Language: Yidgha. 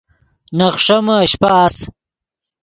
نے خݰیمے اشپہ اَس